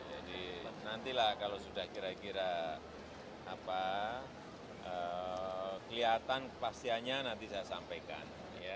jadi nantilah kalau sudah kira kira kelihatan kepastiannya nanti saya sampaikan